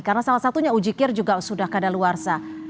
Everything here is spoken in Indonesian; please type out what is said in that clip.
karena salah satunya ujikir juga sudah keadaan luarsa